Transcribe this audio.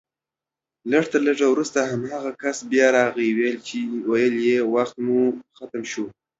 تر لږ ځنډ وروسته هماغه کس بيا راغی ويل يې وخت مو ختم شو